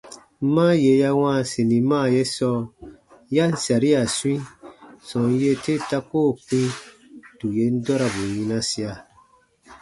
Ma yè ya wãa sinima ye sɔɔ ya ǹ saria swĩi, sɔm yee te ta koo kpĩ tù yen dɔrabu yinasia.